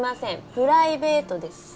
プライベートです。